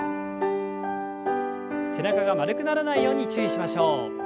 背中が丸くならないように注意しましょう。